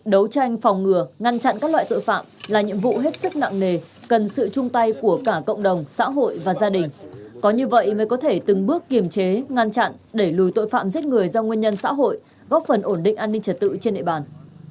đấu tranh phòng ngừa ngăn chặn các loại tội phạm là nhiệm vụ hết sức nặng nề cần sự chung tay của cả cộng đồng xã hội và gia đình có như vậy mới có thể từng bước kiềm chế ngăn chặn đẩy lùi tội phạm giết người do nguyên nhân xã hội góp phần ổn định an ninh trật tự trên địa bàn